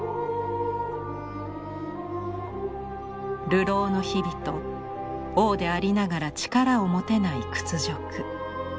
流浪の日々と王でありながら力を持てない屈辱。